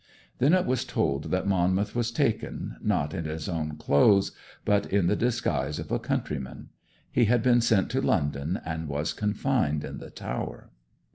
Then it was told that Monmouth was taken, not in his own clothes but in the disguise of a countryman. He had been sent to London, and was confined in the Tower.